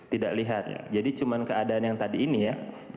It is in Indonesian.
tidak lihat jadi cuma keadaan yang tadi ini ya